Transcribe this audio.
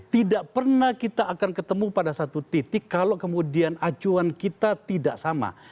tidak pernah kita akan ketemu pada satu titik kalau kemudian acuan kita tidak sama